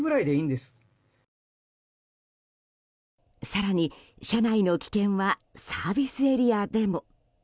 更に、車内の危険はサービスエリアでも。